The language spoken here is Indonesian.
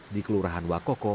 di kelurahan wakoko